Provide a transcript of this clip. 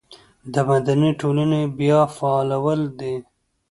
د مدني ټولنې بیا فعالول دي.